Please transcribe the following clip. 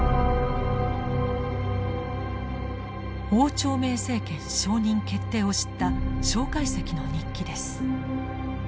汪兆銘政権承認決定を知った介石の日記です。